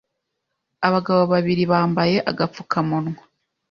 Abagabo babiri bambaye agapfukamunwa